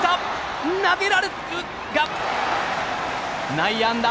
内野安打。